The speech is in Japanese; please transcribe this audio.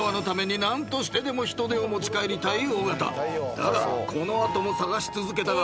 ［だがこの後も探し続けたが］